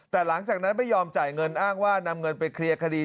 แต่หลังจากนั้นไม่ยอมจ่ายเงินอ้างว่านำเงินไปเคลียร์คดี